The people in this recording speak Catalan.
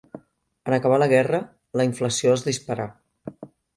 En acabar la guerra, la inflació es disparà.